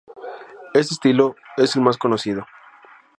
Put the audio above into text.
Este estilo es el más conocido.